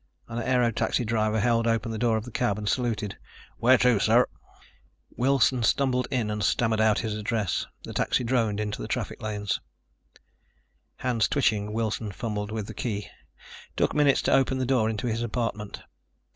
An aero taxi driver held open the door of the cab and saluted. "Where to, sir?" Wilson stumbled in and stammered out his address. The taxi droned into the traffic lane. Hands twitching, Wilson fumbled with the key, took minutes to open the door into his apartment.